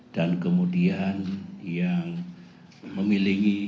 dan kemudian yang memiliki kekuatan